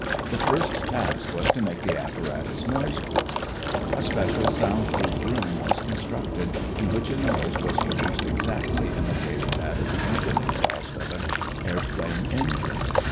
The first task was to make the apparatus noise proof. A special sound proof room was constructed in which a noise was produced exactly imitating that of the engine exhaust of an airplane engine.